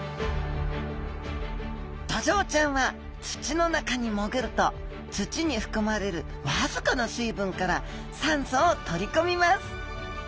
ドジョウちゃんは土の中に潜ると土に含まれる僅かな水分から酸素を取り込みます。